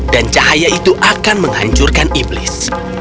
dan cahaya itu akan menghancurkan iblis